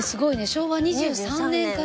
昭和２３年から。